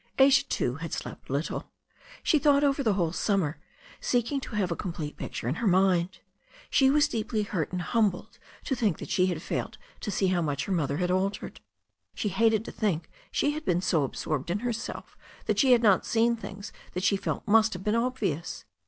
Asia, too, had slept little. She thought over the whole siunmer, seeking to have a complete picture in her mind. She was deeply hurt and humbled to think that she had failed to see how much her mother had altered. She hated to think she had been so absorbed in herself that she had not seen things that she felt must have been obvious.